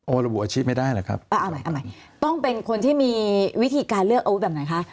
ระบุอาชีพไม่ได้หรอกครับเอาใหม่เอาใหม่ต้องเป็นคนที่มีวิธีการเลือกอาวุธแบบไหนคะ